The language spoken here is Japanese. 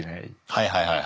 はいはいはい。